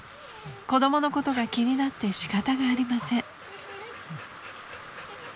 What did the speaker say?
［子供のことが気になって仕方がありません］